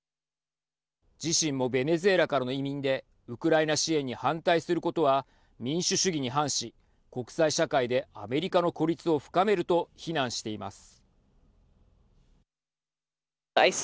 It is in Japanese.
自身もベネズエラからの移民でウクライナ支援に反対することは民主主義に反し国際社会でアメリカの孤立を深めると非難しています。